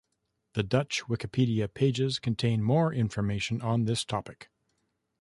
The Dutch Wikipedia pages contain more information on this topic.